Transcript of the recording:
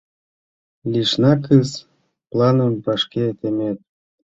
Лишнак-ыс, планым вашке темет.